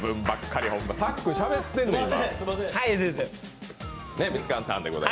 さっくんしゃべってんのよ、今。